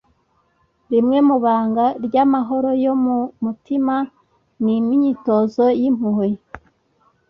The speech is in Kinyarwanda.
rimwe mu banga ry'amahoro yo mu mutima ni imyitozo y'impuhwe